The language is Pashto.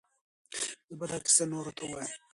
زه به دا کیسه نورو ته ووایم.